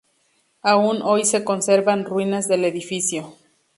Aún hoy se conservan ruinas del edificio.